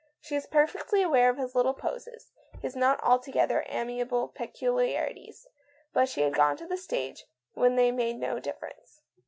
She was perfectly aware of his little poses, his not altogether amiable peculiarities, but she had got to the stage when they made no differ ence.